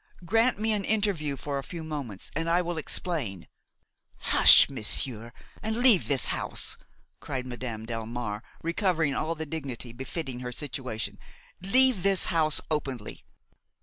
Grant me an interview of a few moments and I will explain–" "Hush, monsieur, and leave this house," cried Madame Delmare, recovering all the dignity befitting her situation; "leave this house openly.